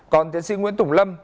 còn tiến sĩ nguyễn tùng lâm